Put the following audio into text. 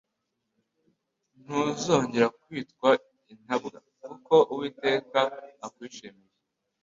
Ntuzongera kwitwa intabwa... kuko Uwiteka akwishimiye.»